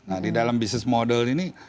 nah di dalam bisnis model ini